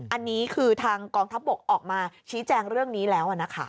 อันนี้คือทางกองทัพบกออกมาชี้แจงเรื่องนี้แล้วนะคะ